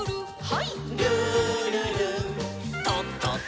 はい。